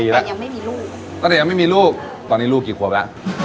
รู้อยู่๓๐แล้วหรอ